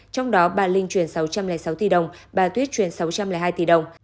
trong đó bà linh chuyển sáu trăm linh sáu tỷ đồng bà tuyết chuyển sáu trăm linh hai tỷ đồng